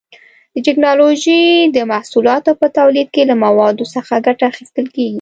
د ټېکنالوجۍ د محصولاتو په تولید کې له موادو څخه ګټه اخیستل کېږي.